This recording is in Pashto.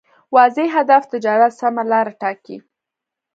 واضح هدف تجارت سمه لاره ټاکي.